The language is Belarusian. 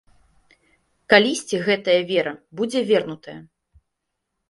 Калісьці гэтая вера будзе вернутая.